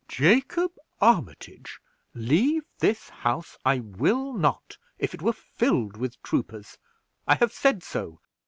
"Jacob Armitage, leave this house I will not, if it were filled with troopers; I have said so."